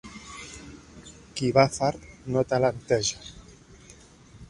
Qui va fart no talenteja.